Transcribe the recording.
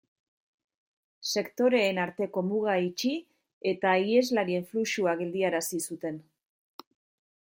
Sektoreen arteko muga itxi eta iheslarien fluxua geldiarazi zuten.